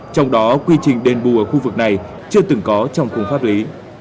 trong đó quy trình đền bù ở khu vực này chưa từng có trong khung pháp lý